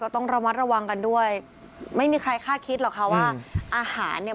ต้องระมัดระวังกันด้วยไม่มีใครคาดคิดหรอกค่ะว่าอาหารเนี่ย